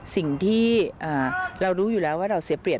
สิ่งที่เรารู้อยู่แล้วว่าเราเสียเปรียบ